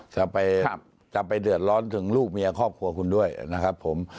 จะไปเดือดร้อนถึงลูกเมียครอบครัวคุณด้วยนะครับผม